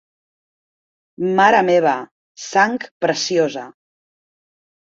Mare meva, Sang Preciosa!